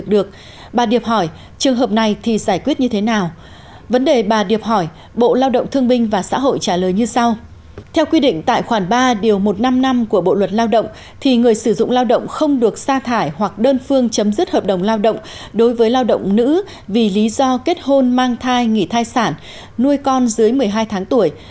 trường hợp ba điều một trăm năm mươi năm của bộ luật lao động thì người sử dụng lao động không được sa thải hoặc đơn phương chấm dứt hợp đồng lao động đối với lao động nữ vì lý do kết hôn mang thai nghỉ thai sản nuôi con dưới một mươi hai tháng tuổi